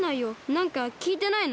なんかきいてないの？